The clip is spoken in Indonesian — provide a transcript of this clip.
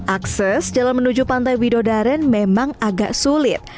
akses jalan menuju pantai widodaren memang agak sulit